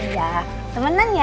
iya temenan ya